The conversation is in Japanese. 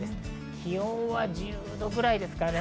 気温は１０度ぐらいです。